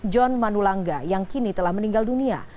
john manulangga yang kini telah meninggal dunia